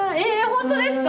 本当ですか？